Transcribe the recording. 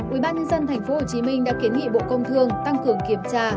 ubnd tp hcm đã kiến nghị bộ công thương tăng cường kiểm tra